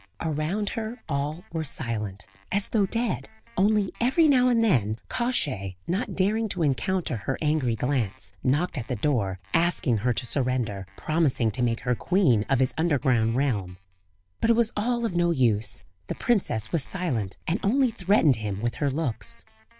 Around her all were silent, as though dead; only every now and then, Kosciey, not daring to encounter her angry glance, knocked at the door asking her to surrender, promising to make her queen of his Underground realm. But it was all of no use; the princess was silent, and only threatened him with her looks.